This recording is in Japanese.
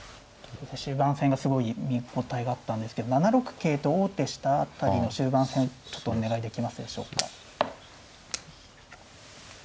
終盤戦がすごい見応えがあったんですけど７六桂と王手した辺りの終盤戦ちょっとお願いできますでしょうか。